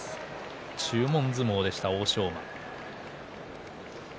注文相撲でした、欧勝馬。